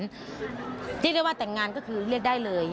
ที่เรียกว่าแต่งงานก็คือเรียกได้เลย